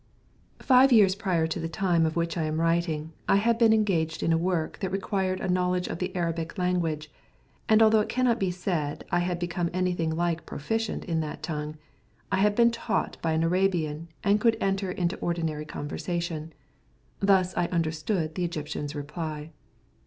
Five years prior to the time of which I am writing I had been engaged in a work that required a knowledge of the Arabic language, and although it cannot be said I had become anything like proficient in that tongue, I had been taught by an Arabian, and could enter into ordinary conversation. Thus I understood the Egyptian's reply.